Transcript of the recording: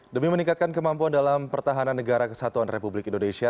demi meningkatkan kemampuan dalam pertahanan negara kesatuan republik indonesia